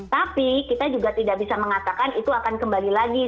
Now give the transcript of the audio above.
tapi kita juga tidak bisa mengatakan itu akan kembali lagi